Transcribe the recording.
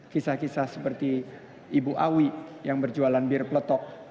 kisah kisah seperti ibu awi yang berjualan bir peletok